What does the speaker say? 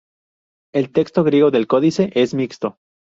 El texto griego del códice es mixto.